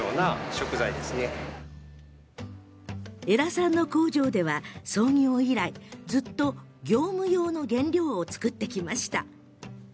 江良さんの工場では創業以来ずっと業務用の原料を作ってきました。